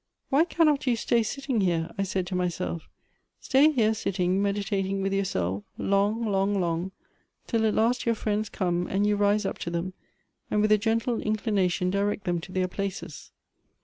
Why cannot you stay sitting here ? I said to myself; stay here sitting meditating Avith yourself long, long, long, till at last your friends come, and you rise up to them, and with a gentle inclination direct them to their places.